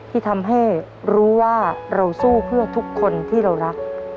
ที่ทำให้รู้ว่าเราสู้เพื่อทุกคนที่เรารัก